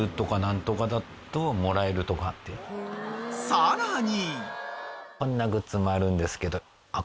［さらに］